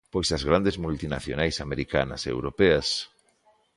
Pois as grandes multinacionais americanas e europeas.